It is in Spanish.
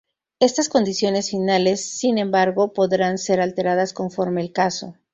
Estas condiciones finales, sin embargo, podrán ser alteradas conforme el caso.